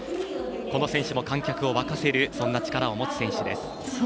この選手も観客を沸かせるそんな力を持つ選手です。